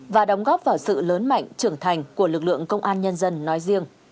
và đóng góp vào sự lớn mạnh trưởng thành của lực lượng công an nhân dân nói riêng